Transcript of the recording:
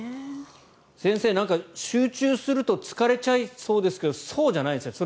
先生、集中すると疲れちゃいそうですけどそうじゃないんですね